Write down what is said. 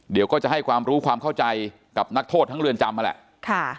เดี๋ยวก็จะให้ความรู้ความเข้าใจกับนักโทษทั้งเรือนจำนั่นแหละ